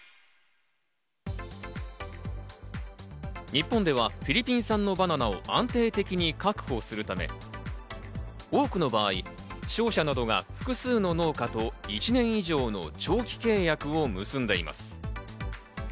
日本ではフィリピン産のバナナを安定的に確保するため、多くの場合、商社などが複数の農家と１年以上の長期契約を結んでいます。